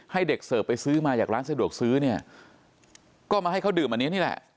ให้เด็กเสิร์ฟไปซื้อมาจากร้านสะดวกซื้อเนี่ยก็มาให้เขาดื่มอันนี้นี่แหละ